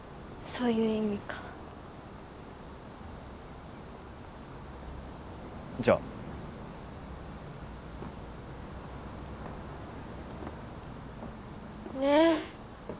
そういう意味かじゃあねえ